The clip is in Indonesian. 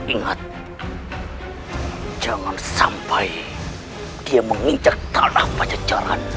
ingat jangan sampai dia menginjak tanah pajacara